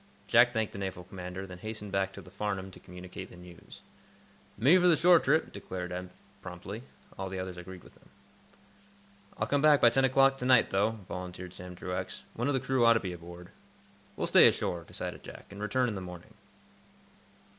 Jack thanked the naval commander, then hastened back to the "Farnum" to communicate the news. "Me for the shore trip," declared Eph, promptly. All the others agreed with him. "I'll come back by ten o'clock to night, though," volunteered Sam Truax. "One of the crew ought to be aboard." "We'll stay ashore," decided Jack, "and return in the morning."